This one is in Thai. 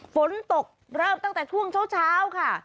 ฝนตกเริ่มตั้งแต่ช่วงเช้าค่ะ